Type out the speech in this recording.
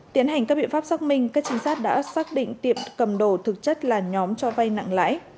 tiến hành các biện pháp xác minh các trinh sát đã xác định tiệm cầm đồ thực chất là nhóm cho vay nặng lãi